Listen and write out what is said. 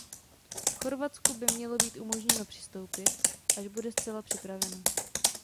Chorvatsku by mělo být umožněno přistoupit, až bude zcela připraveno.